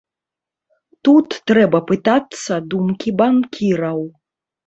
Тут трэба пытацца думкі банкіраў.